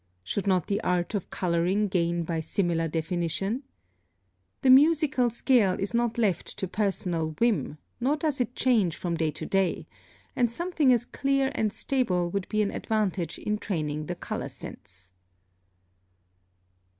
Should not the art of coloring gain by similar definition? The musical scale is not left to personal whim, nor does it change from day to day; and something as clear and stable would be an advantage in training the color sense.